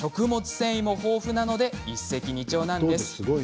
繊維も豊富なので一石二鳥なんです。